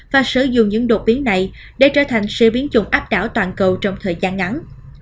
và sử dụng những đột biến này để trở thành sự biến chủng áp đảo toàn cầu trong thời gian ngắn